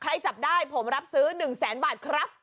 จับได้ผมรับซื้อ๑แสนบาทครับ